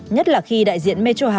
nhất là khi đại diện mê châu hạn